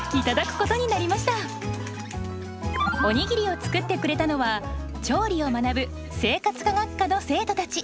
おにぎりを作ってくれたのは調理を学ぶ生活科学科の生徒たち。